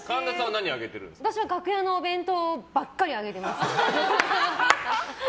私は楽屋のお弁当ばかり上げてます。